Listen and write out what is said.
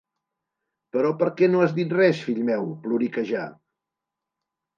Però per què no has dit res, fill meu? –ploriquejà–.